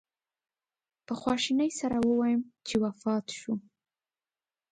په خواشینۍ سره ووایم چې وفات شو.